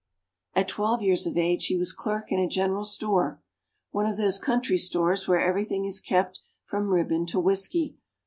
At twelve years of age, he was clerk in a general store one of those country stores where everything is kept, from ribbon to whisky.